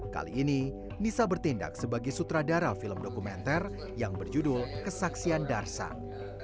kali ini nisa bertindak sebagai sutradara film dokumenter yang berjudul kesaksian darsan